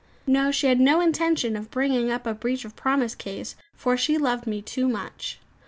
No; she had no intention of bringing up a breach of promise case, for she loved me too much.